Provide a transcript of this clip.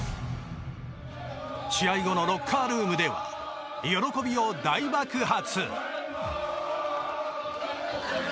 試合後のロッカールームでは喜びを大爆発。